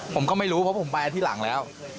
ผมก็ไม่รู้เพราะผมไปที่หลังแล้ว